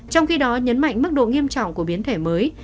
trong khi đó nhấn mạnh mức độ nghiêm trọng của biến thể mới